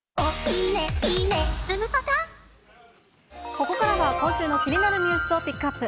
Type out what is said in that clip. ここからは今週の気になるニュースをピックアップ。